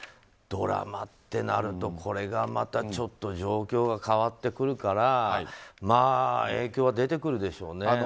ドラマってなるとこれがまた状況が変わってくるから影響は出てくるでしょうね。